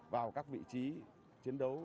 vào các vị trí chiến đấu